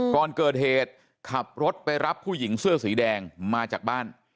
ก่อนเกิดเหตุขับรถไปรับผู้หญิงเสื้อสีแดงมาจากบ้าน